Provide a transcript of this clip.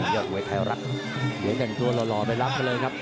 ยอดมวยไทยรัฐ